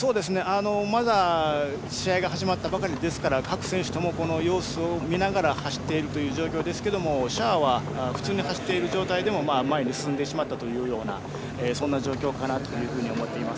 まだ試合が始まったばかりですから各選手とも様子を見ながら走っているという状況ですがシェアは普通に走っている状態でも前に進んでしまったという状況かなと思います。